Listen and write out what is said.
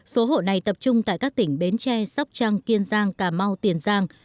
số hộ này tập trung tại các tỉnh bến tre sóc trăng kiên giang cà mau tiền giang